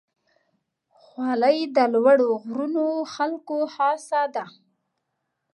خولۍ د لوړو غرونو خلکو خاصه ده.